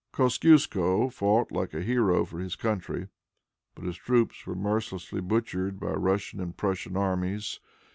Kosciusko fought like a hero for his country, but his troops were mercilessly butchered by Russian and Prussian armies.